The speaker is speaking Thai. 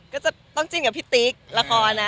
ก็จะต้องจิ้นกับพี่ติ๊กละคร